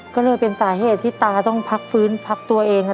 ก็เลยเป็นสาเหตุที่ตาต้องพักฟื้นพักตัวเอง